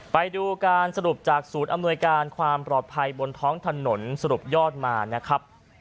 ไปดูการสรุปจากศูนย์อำนวยการความปลอดภัยบนท้องถนนสรุปยอดมานะครับ